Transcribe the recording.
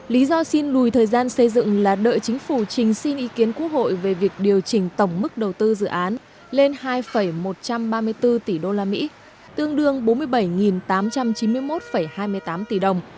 lý do xin lùi thời gian xây dựng là đợi chính phủ trình xin ý kiến quốc hội về việc điều chỉnh tổng mức đầu tư dự án lên hai một trăm ba mươi bốn tỷ usd tương đương bốn mươi bảy tám trăm chín mươi một hai mươi tám tỷ đồng